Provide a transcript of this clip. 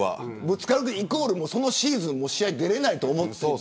ぶつかるイコールそのシーズン試合出られないと思っていい。